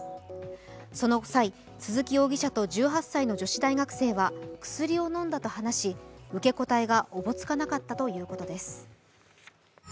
その際、鈴木容疑者と１８歳の女子大学生は薬を飲んだと話し、受け答えがおぼつかなかったということです。